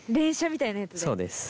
そうです。